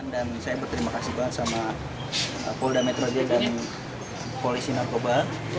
dan saya berterima kasih banget sama polda metro jaya dan polisi narkoba